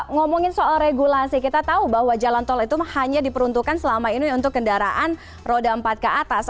ngomongin soal regulasi kita tahu bahwa jalan tol itu hanya diperuntukkan selama ini untuk kendaraan roda empat ke atas